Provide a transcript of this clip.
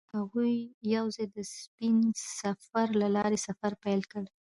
هغوی یوځای د سپین سفر له لارې سفر پیل کړ.